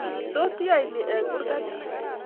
Tos iyae ne eng' kurgat?